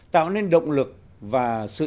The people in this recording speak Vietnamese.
tạo nên động lực và sự